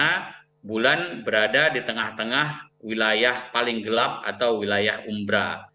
karena bulan berada di tengah tengah wilayah paling gelap atau wilayah umbra